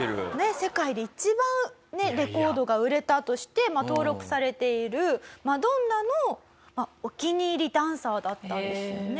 世界で一番レコードが売れたとして登録されているマドンナのお気に入りダンサーだったんですよね。